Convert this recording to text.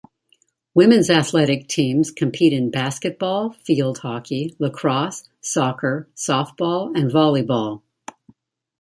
Women's athletic teams compete in basketball, field hockey, lacrosse, soccer, softball and volleyball.